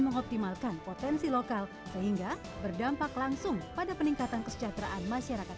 mengoptimalkan potensi lokal sehingga berdampak langsung pada peningkatan kesejahteraan masyarakat